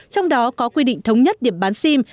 trong đó có quy định thống nhất điểm bán sim